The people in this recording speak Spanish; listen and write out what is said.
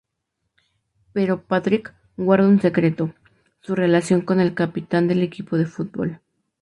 Pero Patrick guarda un secreto, su relación con el capitán del equipo de fútbol.